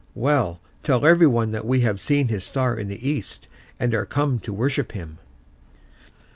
"Well, tell everybody that we have seen his star in the east, and are come to worship him."